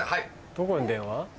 どこに電話？